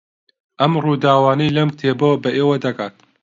ئەم ڕووداوانەی لەم کتێبەوە بە ئێوە دەگات